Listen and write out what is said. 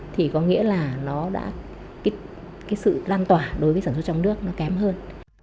thì có nghĩa là nó đã cái sự lan tỏa đối với sản xuất trong nước nó kém hơn